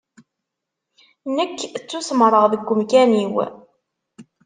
Nekk ttusemreɣ deg umkan-iw.